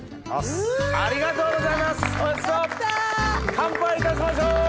乾杯いたしましょう！